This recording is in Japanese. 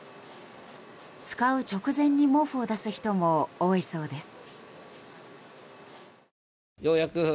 使う直前に毛布を出す人も多いそうです。